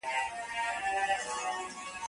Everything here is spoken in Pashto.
د مکار دښمن په کور کي به غوغا سي